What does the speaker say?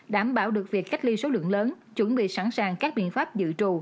đảm bảo được việc cách ly số lượng lớn chuẩn bị sẵn sàng các biện pháp dự trù